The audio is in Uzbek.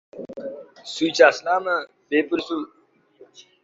Tog‘oraga kirdi.